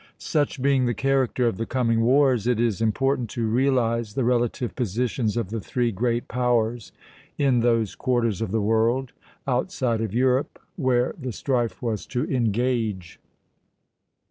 Such being the character of the coming wars, it is important to realize the relative positions of the three great powers in those quarters of the world, outside of Europe, where the strife was to engage.